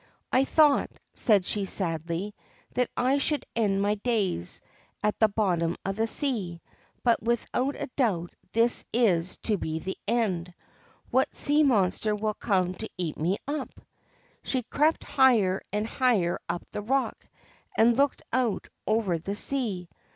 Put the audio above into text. ' I thought,' said she sadly, ' that I should end my days at the bottom of the sea ; but without a doubt this is to be the end ; what sea monster will come to eat me up ?' She crept higher and higher up the rock, and looked out over the sea.